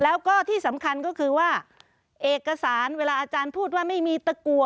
แล้วก็ที่สำคัญก็คือว่าเอกสารเวลาอาจารย์พูดว่าไม่มีตะกัว